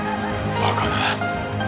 バカな。